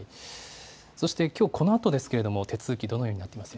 そして、きょうこのあとですけれども、手続き、どのようにな